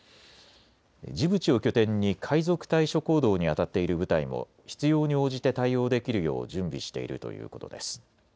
ジブチを拠点に海賊対処行動にあたっている部隊も必要に応じて対応できるよう準備しているということです。